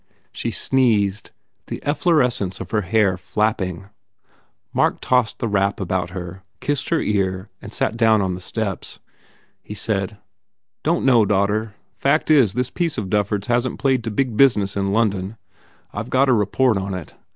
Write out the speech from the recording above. She sneezed, the efflorescence of her hair flap ping. Mark tossed the wrap about her, kissed her ear and sat down on the steps. He said, "Don t know, daughter. Fact is, this piece of Dufford s hasn t played to big business in London. I ve got a report on it.